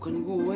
jangan lupa bu